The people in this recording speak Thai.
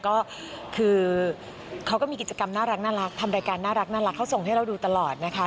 ก็คือเขาก็มีกิจกรรมน่ารักทำรายการน่ารักเขาส่งให้เราดูตลอดนะคะ